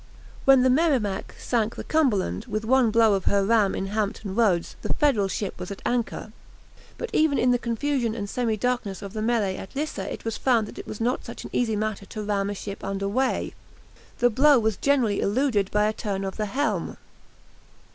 When the "Merrimac" sank the "Cumberland" with one blow of her ram in Hampton Roads, the Federal ship was at anchor. But even in the confusion and semi darkness of the mêlée at Lissa it was found that it was not such an easy matter to ram a ship under way. The blow was generally eluded by a turn of the helm.